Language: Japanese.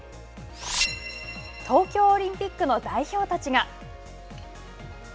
東京オリンピックの代表たちが。